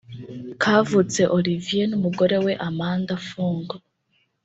Kavutse Olivier n’umugore we Amanda Fung